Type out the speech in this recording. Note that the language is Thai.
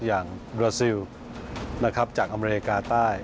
อย่างบราซิลจากอเมริกาใต้